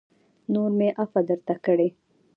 نور مې عفوه درته کړې